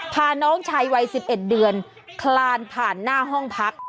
พาน้องชายวัย๑๑เดือนคลานผ่านหน้าห้องพัก